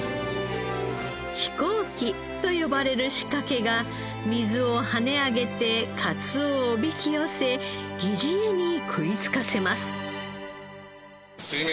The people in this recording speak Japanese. ヒコーキと呼ばれる仕掛けが水を跳ね上げてかつおをおびき寄せ疑似餌に食いつかせます。